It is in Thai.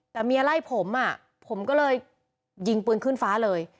แต่เมียไล่ผมอ่ะผมผมก็เลยยิงปืนขึ้นฟ้าเลย